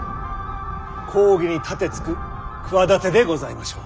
公儀に盾つく企てでございましょう。